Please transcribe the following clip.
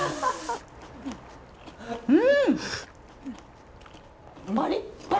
うん！